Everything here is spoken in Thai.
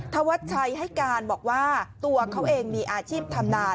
ธวัชชัยให้การบอกว่าตัวเขาเองมีอาชีพทำนา